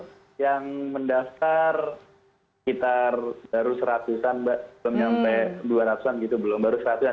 jadi ada yang mendaftar yang mendaftar sekitar baru seratusan belum sampai dua ratus an gitu belum baru seratusan